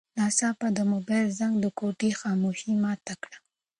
ناڅاپه د موبایل زنګ د کوټې خاموشي ماته کړه.